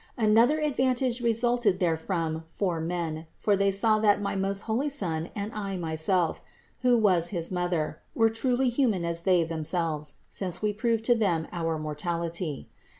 Another advantage resulted therefrom for men, for they saw that my most holy Son and I myself, who was his Mother, were truly human as they them selves, since we proved to them our mortality.